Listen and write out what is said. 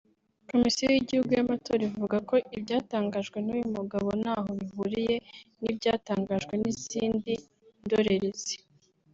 Komisiyo y’Igihugu y’Amatora ivuga ko ibyatangajwe n’uyu mugabo ntaho bihuriye ntibyatangajwe n’izindi ndorerezi